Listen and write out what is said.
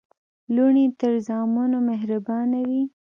لوڼي تر زامنو مهربانه وي.